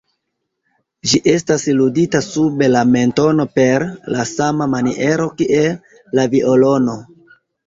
Ĝi estas ludita sub la mentono per la sama maniero kiel la violono.